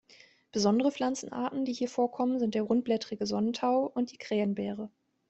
Besondere Pflanzenarten, die hier vorkommen, sind der Rundblättrige Sonnentau und die Krähenbeere.